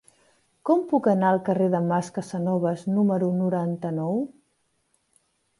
Com puc anar al carrer del Mas Casanovas número noranta-nou?